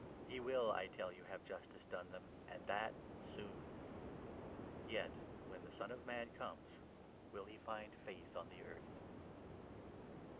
He 8 will, I tell you, have justice done them, and that soon ! Yet, when the Son of Man comes, will he find faith on the earth